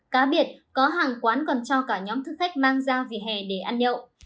cá biệt có hàng quán còn cho cả nhóm thử khách mang ra vì hè để ăn nhậu